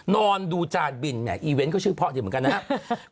นอนดูจานบินแห่อีเวนต์ก็ชื่อเพาะดีเหมือนกันนะครับ